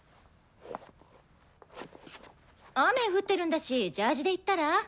雨降ってるんだしジャージで行ったら？